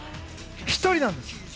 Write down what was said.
１人なんです。